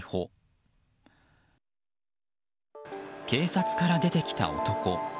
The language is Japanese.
警察から出てきた男。